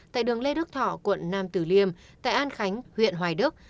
tại đường lê đức thọ quận nam tử liêm tại an khánh huyện hoài đức